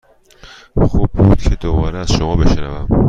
خوب بود که دوباره از شما بشنوم.